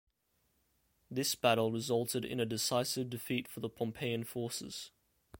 This battle resulted in a decisive defeat for the Pompeian forces.